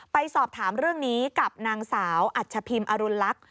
ไปสอบถามเรื่องนี้กับนางสาวอัชพิมอรุณลักษณ์